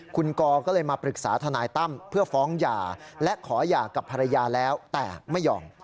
คุณกอก็เลยมาปรึกษาทนายตั้มเพื่อฟ้องหย่าและขอหย่ากับภรรยาแล้วแต่ไม่ยอม